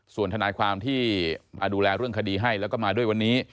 ส่วนทนายความที่มาดูแลเรื่องคดีให้แล้วก็มาด้วยวันนี้